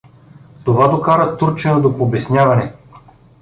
Това докара турчина до побесняване.